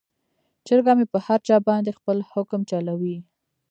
چرګه مې په هر چا باندې خپل حکم چلوي.